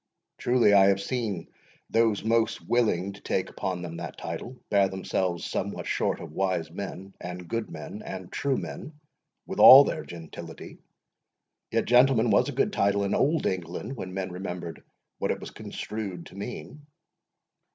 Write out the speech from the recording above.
"Truly I have seen those most willing to take upon them that title, bear themselves somewhat short of wise men, and good men, and true men, with all their gentility; yet gentleman was a good title in old England, when men remembered what it was construed to mean."